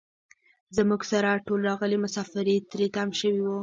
زموږ سره ټول راغلي مسافر تري تم شوي وو.